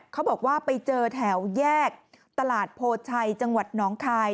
เขาบอกว่าไปเจอแถวแยกตลาดโพชัยจังหวัดน้องคาย